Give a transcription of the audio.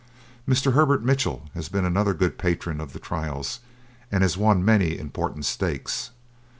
Mr. Herbert Mitchell has been another good patron of the trials, and has won many important stakes.